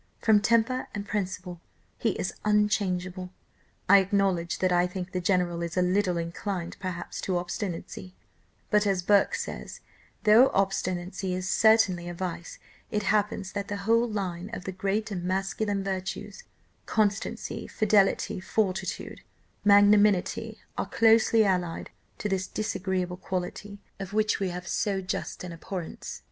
From temper and principle he is unchangeable. I acknowledge that I think the general is a little inclined perhaps to obstinacy; but, as Burke says, though obstinacy is certainly a vice, it happens that the whole line of the great and masculine virtues, constancy, fidelity, fortitude, magnanimity, are closely allied to this disagreeable quality, of which we have so just an abhorrence.